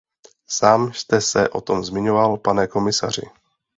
Sám jste se o tom zmiňoval, pane komisaři.